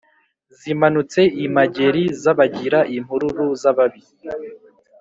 Zimanutse i Mageri zabagira.-Impururu z'ababi.